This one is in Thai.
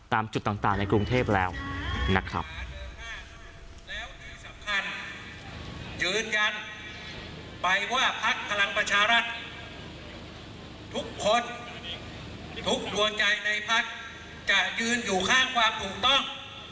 ตัวใจในภักดิ์จะยืนอยู่ข้างความถูกต้อง